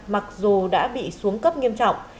mặc dù đã bị xuống cấp nghiêm trọng